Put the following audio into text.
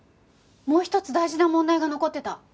もう一つ大事な問題が残ってた。